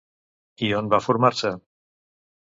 I on va formar-se?